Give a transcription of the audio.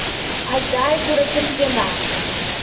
Азааигәаратә ркьынаа…